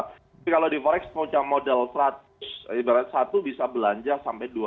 tapi kalau di forex punya modal seratus ibarat satu bisa belanja sampai dua ratus